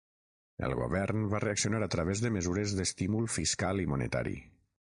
El govern va reaccionar a través de mesures d'estímul fiscal i monetari.